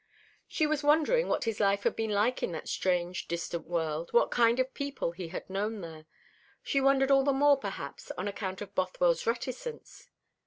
She was always wondering what his life had been like in that strange distant world, what kind of people he had known there. She wondered all the more perhaps on account of Bothwell's reticence.